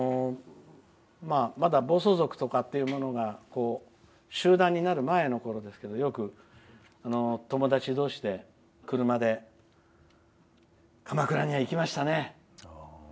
まだ暴走族とかが集団になる前のころですけどよく友達同士で車で鎌倉には行きましたね。